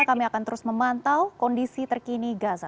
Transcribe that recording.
kami akan terus memantau kondisi terkini gaza